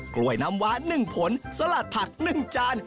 กล้วยน้ำว้า๑ผลสลัดผัก๑จาน